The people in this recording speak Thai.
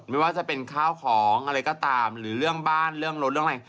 ไม่ว่าจะเป็นข้าวของอะไรก็ตามหรือเรื่องบ้านเรื่องรถเรื่องอะไร